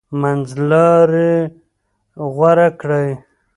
منځلاري لار غوره کړئ.